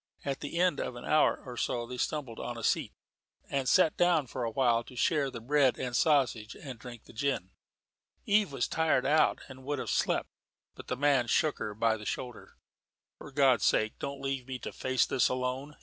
At the end of an hour or so they stumbled on a seat, and sat down for awhile to share the bread and sausage, and drink the gin. Eve was tired out and would have slept, but the man shook her by the shoulder. "For God's sake don't leave me to face this alone.